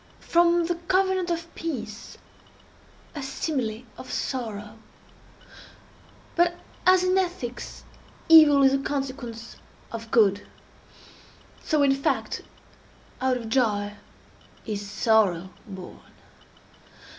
—from the covenant of peace, a simile of sorrow? But as, in ethics, evil is a consequence of good, so, in fact, out of joy is sorrow born.